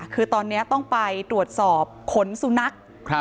คือตอนนี้ต้องไปตรวจสอบขนสุนัข